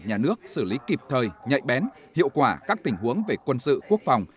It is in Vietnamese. nhà nước xử lý kịp thời nhạy bén hiệu quả các tình huống về quân sự quốc phòng